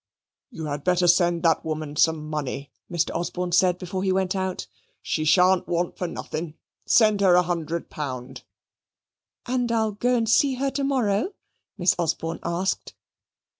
"You had better send that woman some money," Mr. Osborne said, before he went out. "She shan't want for nothing. Send her a hundred pound." "And I'll go and see her to morrow?" Miss Osborne asked.